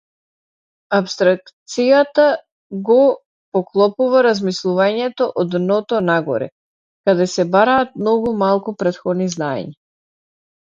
Апстракцијата го поклопува размислувањето од дното-нагоре каде се бараат многу малку претходни знаења.